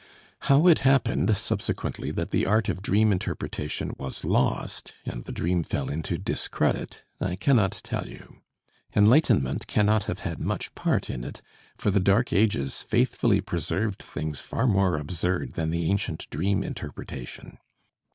How it happened subsequently that the art of dream interpretation was lost and the dream fell into discredit, I cannot tell you. Enlightenment cannot have had much part in it, for the Dark Ages faithfully preserved things far more absurd than the ancient dream interpretation.